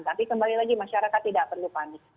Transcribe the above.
tapi kembali lagi masyarakat tidak perlu panik